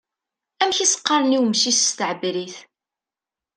Amek i s-qqaṛen i umcic s tɛebrit?